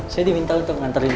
saya diminta untuk mengantarin